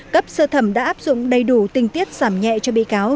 cấp sơ thẩm đã áp dụng đầy đủ tình tiết giảm nhẹ cho bị cáo